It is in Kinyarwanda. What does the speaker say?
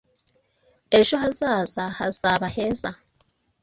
Ejo hazaza hazaba heza.